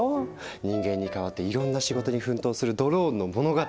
人間に代わっていろんな仕事に奮闘するドローンの物語。